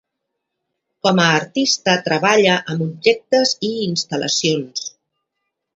Com a artista treballa amb objectes i instal·lacions.